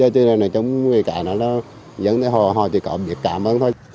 thế nên là chúng người cả nó nó dẫn tới họ họ chỉ có việc cảm ơn thôi